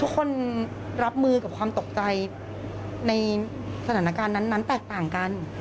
คนรับมือกับความตกใจในสถานการณ์นั้นแตกต่างกัน